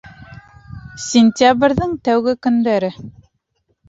Сентябрҙең тәүге көндәре